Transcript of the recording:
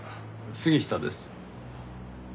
杉下です。